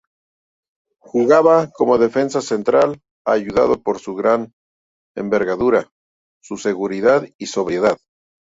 Jugaba como defensa central, ayudado por su gran envergadura, su seguridad y sobriedad.